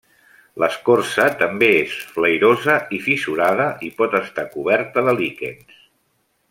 L'escorça també és flairosa i fissurada i pot estar coberta de líquens.